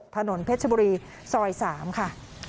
ถนนเพชรบุรีซอย๓ค่ะ